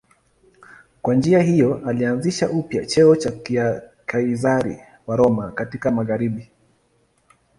Kwa njia hiyo alianzisha upya cheo cha Kaizari wa Roma katika magharibi.